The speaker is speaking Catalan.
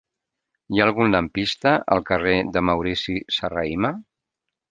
Hi ha algun lampista al carrer de Maurici Serrahima?